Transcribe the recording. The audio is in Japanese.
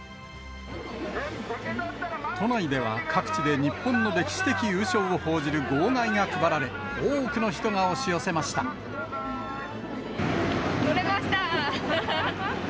都内では、各地で日本の歴史的優勝を報じる号外が配られ、多くの人が押し寄とれました。